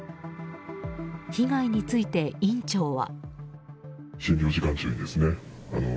被害について、院長は。